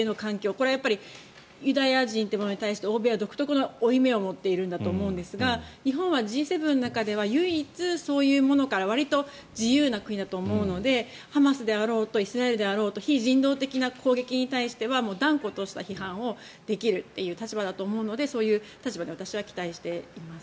これはやっぱりユダヤ人というものに対して欧米は独特の負い目を持っているんだと思うんですが日本はＧ７の中では唯一そういうものからわりと自由な国であると思うのでハマスであろうとイスラエルであろうと非人道的な攻撃に対しては断固とした批判をできるという立場だと思うのでそういう立場で私は期待しています。